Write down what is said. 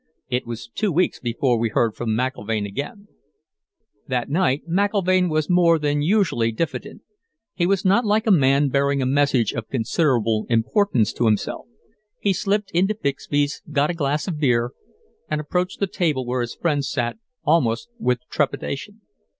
"It was two weeks before we heard from McIlvaine again...." That night McIlvaine was more than usually diffident. He was not like a man bearing a message of considerable importance to himself. He slipped into Bixby's, got a glass of beer, and approached the table where his friends sat, almost with trepidation.